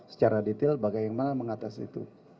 secara detail bagaimana mengatasi itu